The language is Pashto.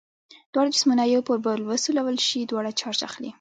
دواړه جسمونه یو پر بل وسولول شي دواړه چارج اخلي.